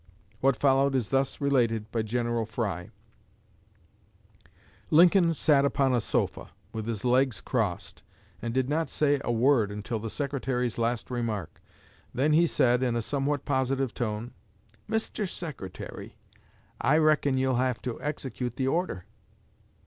What followed is thus related by General Fry: "Lincoln sat upon a sofa, with his legs crossed, and did not say a word until the Secretary's last remark. Then he said, in a somewhat positive tone, 'Mr. Secretary, I reckon you'll have to execute the order.'